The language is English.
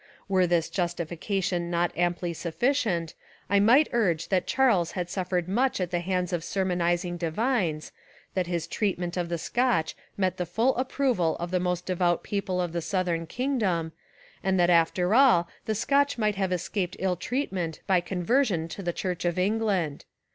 Were this justification not amply suffi cient, I might urge that Charles had suffered much at the hands of sermonising divines, that his treatment of the Scotch met the full ap proval of the most devout people of the South ern kingdom, and that after all the Scotch might have escaped ill treatment by conversion to the Church of England.